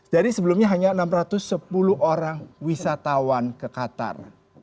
dari sebelumnya hanya enam ratus sepuluh orang wisatawan ke qatar